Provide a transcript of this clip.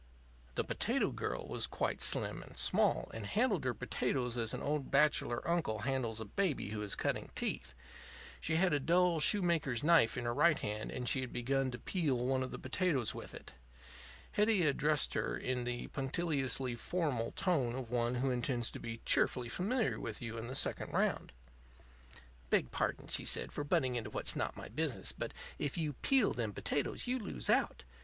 The potato girl was quite slim and small, and handled her potatoes as an old bachelor uncle handles a baby who is cutting teeth. She had a dull shoemaker's knife in her right hand, and she had begun to peel one of the potatoes with it. Hetty addressed her in the punctiliously formal tone of one who intends to be cheerfully familiar with you in the second round. "Beg pardon," she said, "for butting into what's not my business, but if you peel them potatoes you lose out.